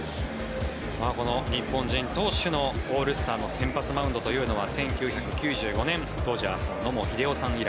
この日本人投手のオールスターの先発マウンドというのは１９９５年、当時のドジャース野茂英雄さん以来。